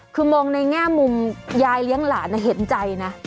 คือมองในแง่มุมยายเลี้ยงหลานเห็นใจนะ